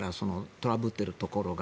トラブっているところが。